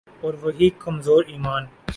اور وہی کمزور ایمان۔